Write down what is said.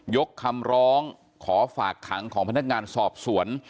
ยกคำร้องขอฝากขังของพนักงานสอบสวน